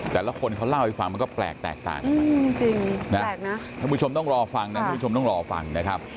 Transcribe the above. แต่ละคนเขาเล่าให้ฟังมันก็แปลกแตกต่างกันนะครับทุกผู้ชมต้องรอฟังนะครับ